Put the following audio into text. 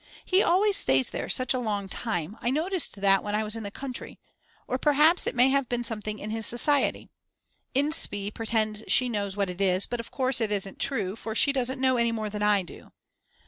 He always stays there such a long time, I noticed that when I was in the country. Or perhaps it may have been something in his society. Inspee pretends she knows what it is but of course it isn't true, for she doesn't know any more than I do.